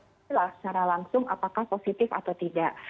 dan bisa diketahui lah secara langsung apakah positif atau tidak